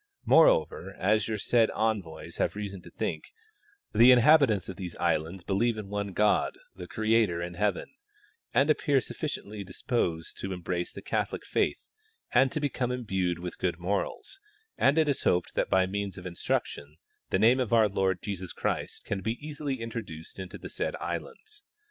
Moreover, as your said envoys have reason to think, the inhal) itants of these islands believe in one God the Creator, in heaven, and appear sufficiently disposed to embrace the Catholic faith and to become imbued with good morals, and it is hoped that by means of instruction the name of our Lord Jesus Christ can easily be introduced into the said islands.